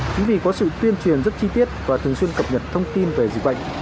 chính vì có sự tuyên truyền rất chi tiết và thường xuyên cập nhật thông tin về dịch bệnh